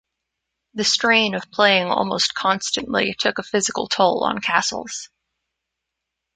The strain of playing almost constantly took a physical toll on Casals.